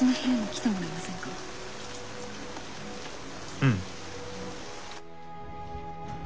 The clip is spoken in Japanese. うん。